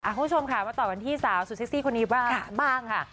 คุณผู้ชมค่ะมาต่อกันที่สาวสุดเซ็กซี่คนนี้บ้างค่ะ